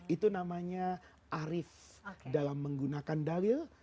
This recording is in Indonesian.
itu namanya arif dalam menggunakan dalil